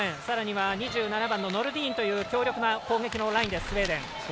さらには２７番のノルディーンという強力な攻撃のラインスウェーデン。